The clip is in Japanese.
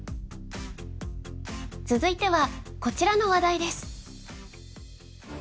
続いてはこちらの話題です。